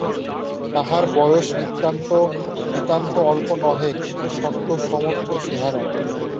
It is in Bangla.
তাঁহার বয়স নিতান্ত অল্প নহে, কিন্তু শক্তসমর্থ চেহারা।